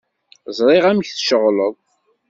Ẓriɣ amek tceɣleḍ.